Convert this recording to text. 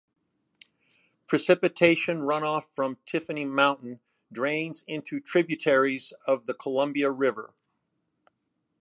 Precipitation runoff from Tiffany Mountain drains into tributaries of the Columbia River.